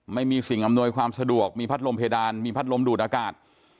ไม่มีสิ่งอำนวยความสะดวกมีพัดลมเพดานมีพัดลมดูดอากาศ